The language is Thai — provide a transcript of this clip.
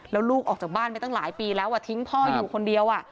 แล้วลูกออกจากบ้านไปตั้งหลายปีแล้วทิ้งพ่ออยู่คนเดียว